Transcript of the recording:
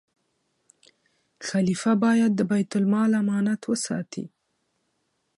خلیفه باید د بیت المال امانت وساتي.